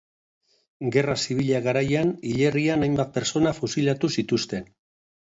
Gerra Zibila garaian hilerrian hainbat pertsona fusilatu zituzten.